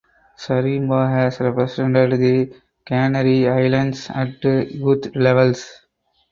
Zaremba has represented the Canary Islands at youth levels.